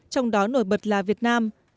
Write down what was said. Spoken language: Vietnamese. trong đó nổi bật là việt nam